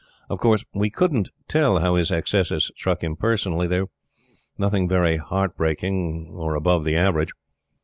Of course, we couldn't tell how his excesses struck him personally. They were nothing very heart breaking or above the average.